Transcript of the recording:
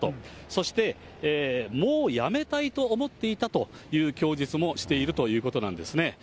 そして、もうやめたいと思っていたという供述もしているということなんですね。